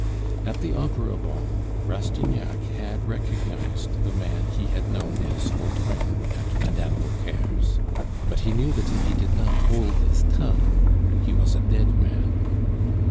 At the opera ball Rastignac had recognized the man he had known as Vautrin at Madame Vauquer's; but he knew that if he did not hold his tongue, he was a dead man.